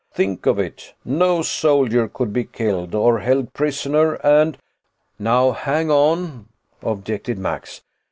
Think of it! No soldier could be killed or held prisoner. And " "Now hang on," objected Max.